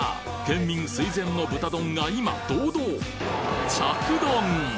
県民垂涎の豚丼が今堂々着丼！